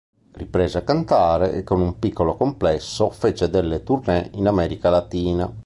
Riprese a cantare e con un piccolo complesso fece delle tournée in America latina.